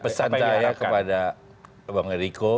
ya pesan saya kepada bang riko